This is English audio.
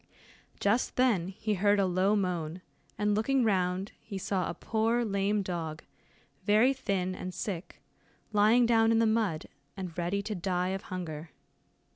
Just then he heard a low moan, and looking round, he saw a poor lame dog, very thin and sick, lying down in the mud, and ready to die of hunger.